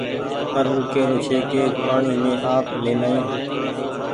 پر او ڪيرو ڇي ڪي پآڻيٚ مينٚ آپ لين آيون